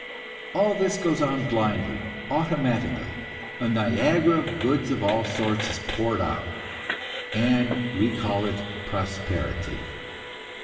All this goes on blindly, automatically; a Niagara of goods of all sorts is poured out, and we call it "prosperity."